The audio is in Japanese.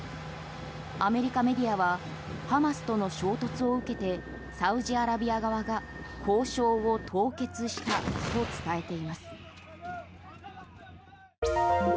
アメリカメディアはハマスとの衝突を受けてサウジアラビア側が交渉を凍結したと伝えています。